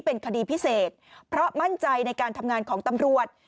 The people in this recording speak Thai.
เป็นคดีพิเศษเพราะมั่นใจในการทำงานของตำรวจ